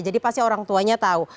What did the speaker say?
jadi pasti orang tuanya tahu